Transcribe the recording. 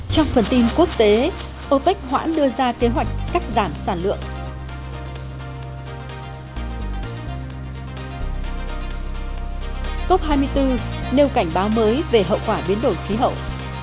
cốc hai mươi bốn nêu cảnh báo mới về hậu quả biến đổi khí hậu